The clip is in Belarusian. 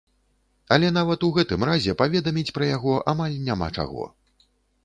Але нават ў гэтым разе паведаміць пра яго амаль няма чаго.